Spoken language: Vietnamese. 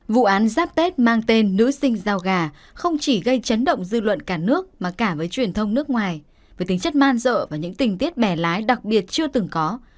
vụ án giáp tết mang tên nữ sinh giao gà không chỉ gây chấn động dư luận cả nước mà cả với truyền thông nước ngoài với tính chất man dợ và những tình tiết bẻ lái đặc biệt chưa từng có